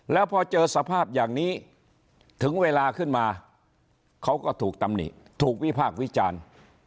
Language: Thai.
แล้วพอเจอสภาพอย่างนี้ถึงเวลาขึ้นมาเขาก็ถูกตำหนิถูกวิพากษ์วิจารณ์